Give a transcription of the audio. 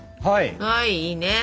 はいいいね。